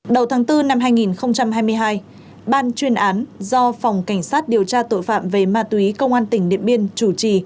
đầu tháng bốn năm hai nghìn hai mươi hai ban chuyên án do phòng cảnh sát điều tra tội phạm về ma túy công an tỉnh điện biên chủ trì